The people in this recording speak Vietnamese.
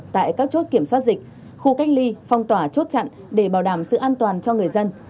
tại các chốt kiểm soát dịch khu cách ly phong tỏa chốt chặn để bảo đảm sự an toàn cho người dân